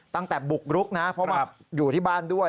ตั้งแต่บุกรุกนะเพราะว่าอยู่ที่บ้านด้วย